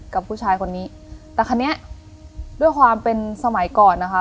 กับผู้ชายคนนี้แต่คันนี้ด้วยความเป็นสมัยก่อนนะคะ